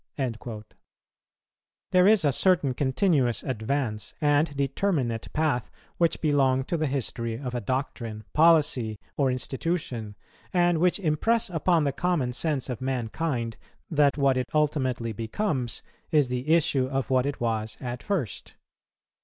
"[195:1] There is a certain continuous advance and determinate path which belong to the history of a doctrine, policy, or institution, and which impress upon the common sense of mankind, that what it ultimately becomes is the issue of what it was at first.